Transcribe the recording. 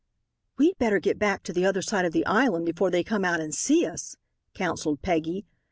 "We'd better get back to the other side of the island before they come out and see us," counseled Peggy.